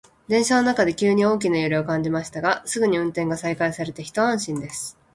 電車の中で急に大きな揺れを感じましたが、すぐに運転が再開されて一安心です。